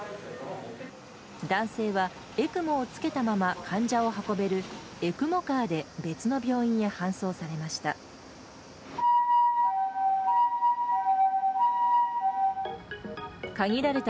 男性は、ＥＣＭＯを着けたまま患者を運べるＥＣＭＯＣａｒで別の病院へ搬送されました。